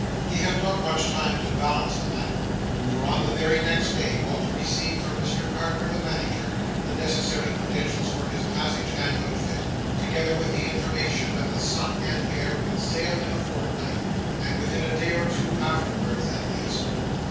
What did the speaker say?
He had not much time to balance the matter; for on the very next day, Walter received from Mr Carker the Manager, the necessary credentials for his passage and outfit, together with the information that the Son and Heir would sail in a fortnight, or within a day or two afterwards at latest.